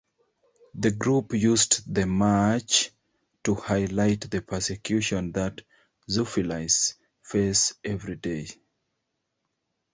The group used the march to highlight the persecution that zoophiles face every day.